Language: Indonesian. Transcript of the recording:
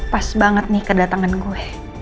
pas banget nih kedatangan gue